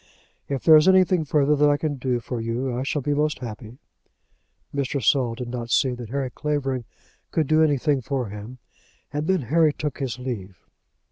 If there is anything further that I can do for you, I shall be most happy." Mr. Saul did not see that Harry Clavering could do anything for him, and then Harry took his leave.